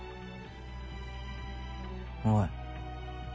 おい。